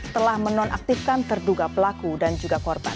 telah menonaktifkan terduga pelaku dan juga korban